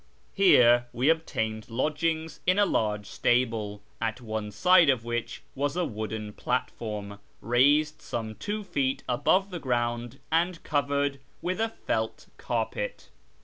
Here we obtained lodgings in a large stable, at one side of which was a wooden platform, raised some two feet above the ground and covered with a felt carpet.